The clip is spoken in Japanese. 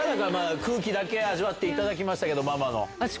空気だけ味わっていただきましたけど、ママの。